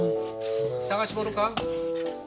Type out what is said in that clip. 探し物か？